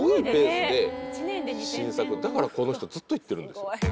だからこの人ずっと行ってるんですよ。